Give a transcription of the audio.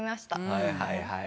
はいはいはい。